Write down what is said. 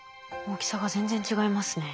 大きさが全然違いますね。